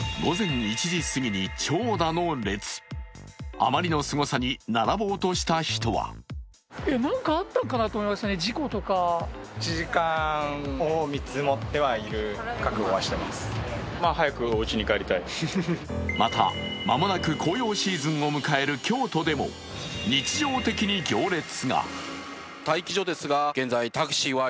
あまりのすごさに並ぼうとした人はまた、間もなく紅葉シーズンを迎える京都でも日常的に行列が。